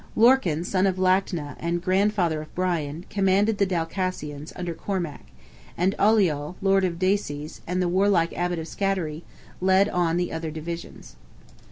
Lorcan, son of Lactna, and grandfather of Brian, commanded the Dalcassians, under Cormac; and Oliol, lord of Desies, and the warlike Abbot of Scattery, led on the other divisions.